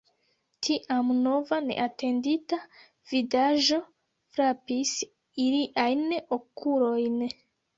Tiam nova neatendita vidaĵo frapis iliajn okulojn.